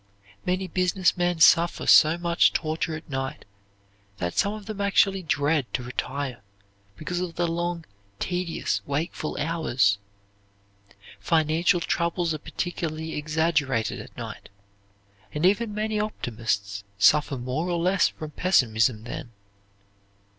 Many business men suffer so much torture at night that some of them actually dread to retire because of the long, tedious, wakeful hours. Financial troubles are particularly exaggerated at night; and even many optimists suffer more or less from pessimism then.